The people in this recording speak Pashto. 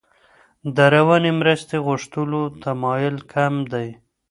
د رواني مرستې غوښتلو تمایل کم دی.